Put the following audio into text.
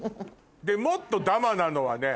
もっとダマなのはね。